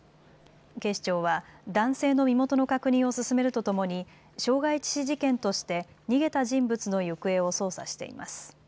警視庁は男性の身元の確認を進めるとともに、傷害致死事件として逃げた人物の行方を捜査しています。